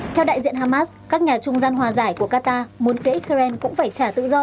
theo đại diện hamas các nhà trung gian hòa giải của qatar muốn phía israel cũng phải trả tự do